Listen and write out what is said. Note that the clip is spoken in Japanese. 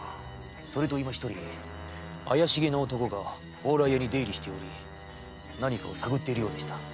それといま一人怪しげな男が蓬莱屋に出入りしており何かを探っているようでした。